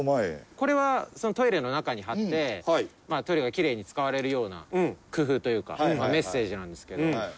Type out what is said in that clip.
これはトイレの中に貼ってトイレがきれいに使われるような工夫というかメッセージなんですけど。